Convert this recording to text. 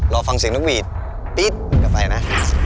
รอฟังเสียงนักบีดปี๊ดก็ไปนะ